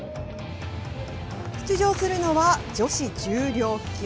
出場するのは女子重量級。